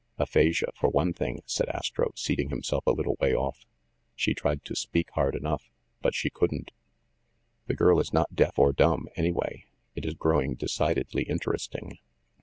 "Aphasia, for one thing," said Astro, seating him self a little way off. "She tried to speak hard enough ; but she couldn't. The girl is not deaf or dumb, any way. It is growing decidedly interesting."